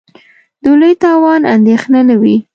د لوی تاوان اندېښنه نه وي.